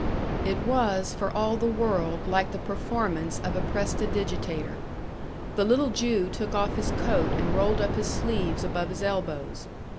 It was for all the world like the performance of a prestidigitator. The little Jew took off his coat and rolled up his sleeves above his elbows.